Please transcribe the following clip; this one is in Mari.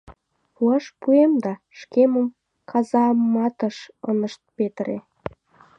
Пуаш пуэм да, шкемым казаматыш ынышт петыре...